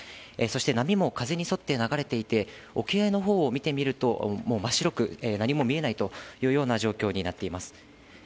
そして、波も風に沿って流れていて、沖合のほうを見てみると、もう真っ白く何も見えないというような状況になっています。